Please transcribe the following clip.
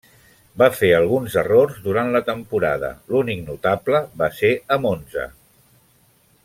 Va fer alguns errors durant la temporada, l'únic notable va ser a Monza.